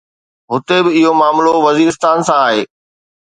هتي به اهو معاملو وزيرستان سان آهي.